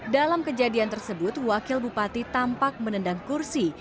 dalam kejadian tersebut wakil bupati tampak menendang kursi